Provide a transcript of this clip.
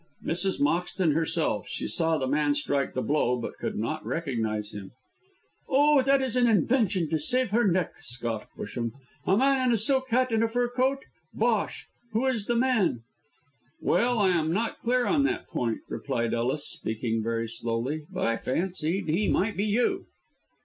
"Mrs. Moxton herself. She saw the man strike the blow, but could not recognise him." "Oh, that is an invention to save her neck," scoffed Busham. "A man in a silk hat and a fur coat? Bosh! Who is the man!" "Well, I am not quite clear on that point," replied Ellis, speaking very slowly, "but I fancied he might be you."